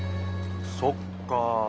そっか。